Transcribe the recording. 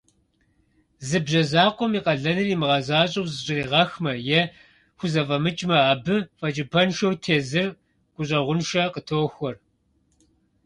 Зы бжьэ закъуэм и къалэныр имыгъэзащӀэу зыщӀригъэхмэ е хузэфӀэмыкӀмэ, абы фӀэкӀыпӀэншэу тезыр гущӀэгъуншэ къытохуэр.